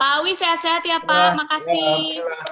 pak awi sehat sehat ya pak makasih